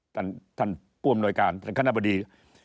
ท่านปวมนวยการท่านคณะบดี